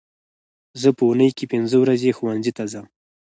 زه په اونۍ کې پینځه ورځې ښوونځي ته ځم